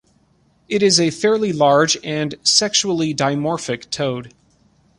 It is a fairly large and sexually dimorphic toad.